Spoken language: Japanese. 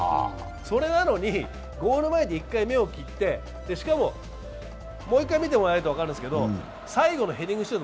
それなのにゴール前で１回目を切ってしかも、もう１回見てもらえるとわかるんですけど最後のヘディングシュート